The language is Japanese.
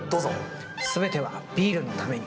すべてはビールのために。